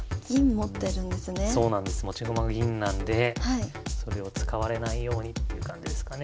持ち駒が銀なんでそれを使われないようにっていう感じですかね。